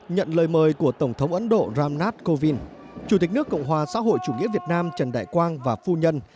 nhận lời mời của tổng thống ấn độ ram nath kovind chủ tịch nước cộng hòa xã hội chủ nghĩa việt nam trần đại quang và phu nhân